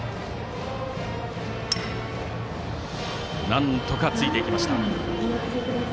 なんとかついていきました。